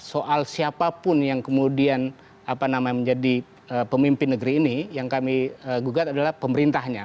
soal siapapun yang kemudian menjadi pemimpin negeri ini yang kami gugat adalah pemerintahnya